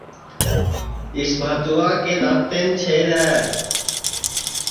پِریما کے دؔانٚتینٚم چھِیدؔ ہے